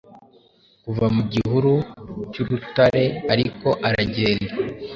Kuva mu gihuru cyurutareariko aragenda